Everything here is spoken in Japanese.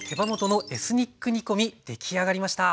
出来上がりました。